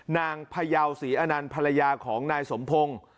พยาวศรีอนันต์ภรรยาของนายสมพงศ์